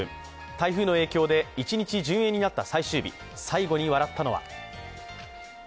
台風の影響で一日順延になった最終日、最後に笑ったのは？